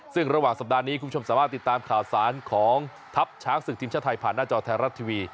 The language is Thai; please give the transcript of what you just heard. ซึ่งระหว่างสัปดาห์นี้คุณผู้ชมสามารถติดตามข่าวสารของทัพช้างศึกทีมชาติไทยผ่านหน้าจอไทยรัฐทีวี